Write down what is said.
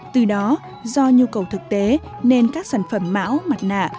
từ đó do nhu cầu thực tế nên các sản phẩm mão mặt nạ